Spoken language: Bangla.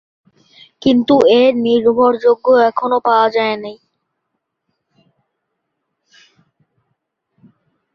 কিন্তু এর নির্ভরযোগ্য প্রমাণ এখনও পাওয়া যায়নি।